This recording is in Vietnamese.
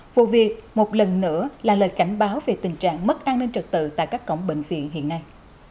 vụ việc một lần nữa là lời cảnh báo về tình trạng mất an ninh trật tự tại các cổng bệnh viện hiện nay